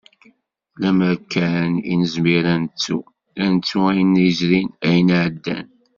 Lemmer kan i nezmir ad nettu, ad nettu ayen yezrin, ayen iɛeddan.